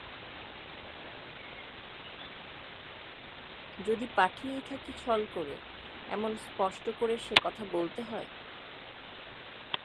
যদি পাঠিয়েই থাকি ছল করে, এমন স্পষ্ট করে সে কথা বলতে হয়?